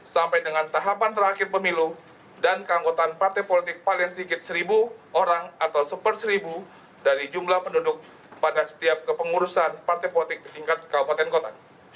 sampai dengan tahapan terakhir pemilu dan keanggotaan partai politik paling sedikit seribu orang atau seper seribu dari jumlah penduduk pada setiap kepengurusan partai politik tingkat kabupaten kota